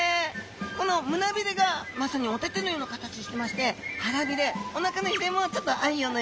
この胸鰭がまさにお手々のような形してまして腹鰭おなかの鰭もちょっとあんよのような。